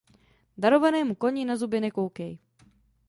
Darovanému koni na zuby nekoukej!